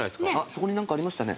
そこに何かありましたね。